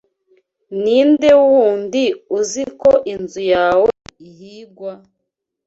Ninde wundi uzi ko inzu yawe ihigwa?